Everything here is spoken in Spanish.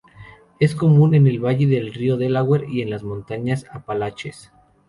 Es común en el valle del Río Delaware y en las Montañas Apalaches.